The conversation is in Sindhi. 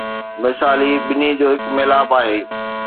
مثالي ٻنهي جو هڪ ميلاپ آهي.